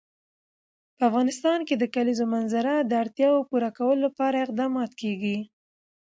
په افغانستان کې د کلیزو منظره د اړتیاوو پوره کولو لپاره اقدامات کېږي.